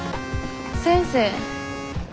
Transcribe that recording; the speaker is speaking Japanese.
先生。